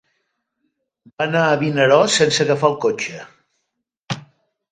Va anar a Vinaròs sense agafar el cotxe.